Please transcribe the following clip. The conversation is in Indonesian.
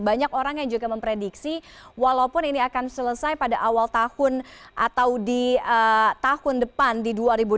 banyak orang yang juga memprediksi walaupun ini akan selesai pada awal tahun atau di tahun depan di dua ribu delapan belas